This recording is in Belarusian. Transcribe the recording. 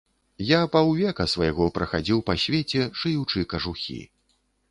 Я паўвека свайго прахадзіў па свеце, шыючы кажухі.